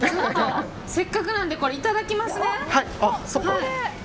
せっかくなのでいただきますね。